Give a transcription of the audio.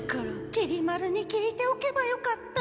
きり丸に聞いておけばよかった。